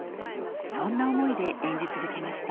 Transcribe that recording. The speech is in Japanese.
そんな思いで演じ続けました。